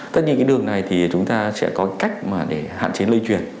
tất nhiên cái đường này thì chúng ta sẽ có cách mà để hạn chế lây chuyển